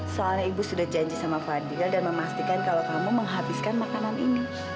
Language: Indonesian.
soalnya ibu sudah janji sama fadil dan memastikan kalau kamu menghabiskan makanan ini